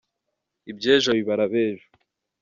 Ibyo ejo bibara abo ejo.